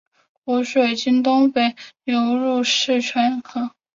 湖水经东北端出流泄入狮泉河。